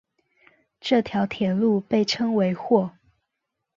这条铁路被称为或。